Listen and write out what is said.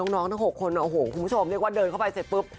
ทั้ง๖คนโอ้โหคุณผู้ชมเรียกว่าเดินเข้าไปเสร็จปุ๊บ